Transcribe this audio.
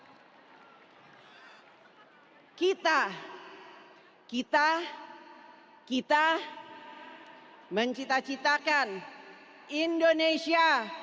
ayo kita kita kita mencita citakan indonesia